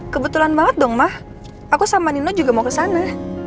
kebetulan banget dong mah aku sama nino juga mau ke sana